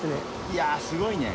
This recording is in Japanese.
いやすごいね。